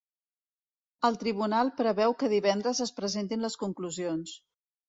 El tribunal preveu que divendres es presentin les conclusions.